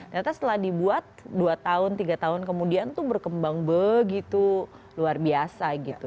ternyata setelah dibuat dua tahun tiga tahun kemudian itu berkembang begitu luar biasa gitu